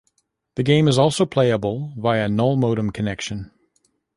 The game is also playable via null modem connection.